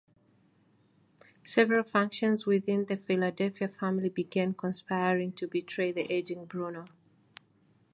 Several factions within the Philadelphia family began conspiring to betray the aging Bruno.